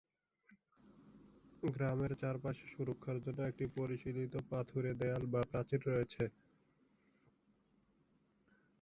গ্রামের চারপাশে সুরক্ষার জন্য একটি পরিশীলিত পাথুরে দেয়াল বা প্রাচীর রয়েছে।